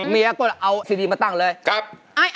เมียก็เอาซีดีมาตั้งเลยครับ